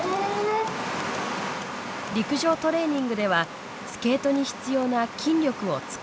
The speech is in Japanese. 陸上トレーニングではスケートに必要な筋力をつくり上げる。